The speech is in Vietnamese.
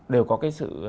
đều có cái sự